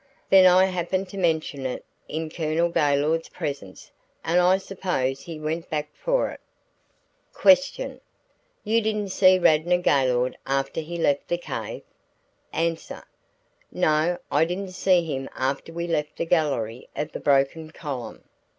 Then I happened to mention it in Colonel Gaylord's presence, and I suppose he went back for it.' "Q. 'You didn't see Radnor Gaylord after he left the cave?' "A. 'No, I didn't see him after we left the gallery of the broken column.